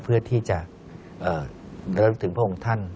เพื่อที่จะระลึกถึงพระองค์ท่าน